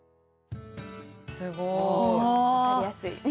すごい。